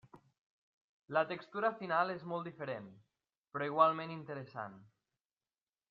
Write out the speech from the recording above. La textura final és molt diferent, però igualment interessant.